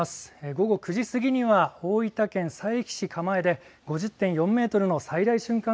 午後９時過ぎには大分県佐伯市蒲江で５０．４メートルの最大瞬間